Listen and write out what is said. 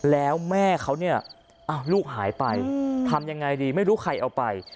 แล้วแม่เขาเนี่ยลูกหายไปทำยังไงดีไม่รู้ใครเอาไป